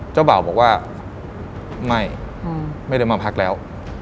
เจ้าบ่าวบอกว่าไม่ไม่ได้มาพักแล้ว